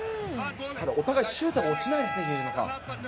お互い、シュートも落ちないですね、比江島さん。